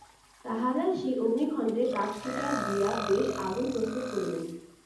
তাঁহারা সেই অগ্নিখণ্ডে কাঠকুটা দিয়া বেশ আগুন প্রস্তুত করিলেন।